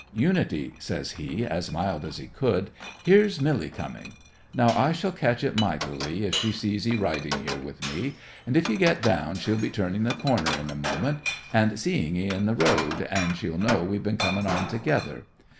'"Unity," says he, as mild as he could, "here's Milly coming. Now I shall catch it mightily if she sees 'ee riding here with me; and if you get down she'll be turning the corner in a moment, and, seeing 'ee in the road, she'll know we've been coming on together.